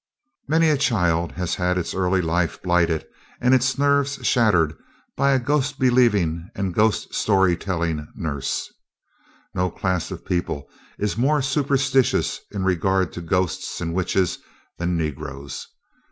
Many a child has had its early life blighted and its nerves shattered by a ghost believing and ghost story telling nurse. No class of people is more superstitious in regard to ghosts and witches than negroes.